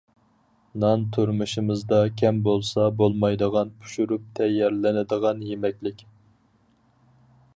نان تۇرمۇشىمىزدا كەم بولسا بولمايدىغان پىشۇرۇپ تەييارلىنىدىغان يېمەكلىك.